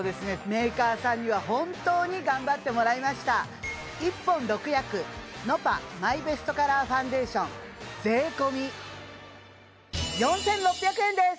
メーカーさんには本当に頑張ってもらいました１本６役ｎｏｐａマイベストカラーファンデーション税込４６００円です！